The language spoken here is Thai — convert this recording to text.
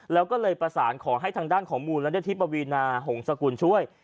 แล้วก็เลยประสานขอให้ทางด้านของมูลนิธิปวีนาหงษกุลช่วย